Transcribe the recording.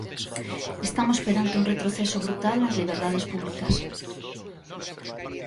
Estamos perante un retroceso brutal nas liberdades públicas.